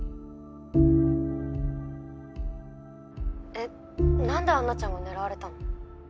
えっ何でアンナちゃんが狙われたの？